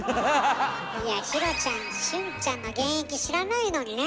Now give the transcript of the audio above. いやひろちゃん俊ちゃんの現役知らないのにね。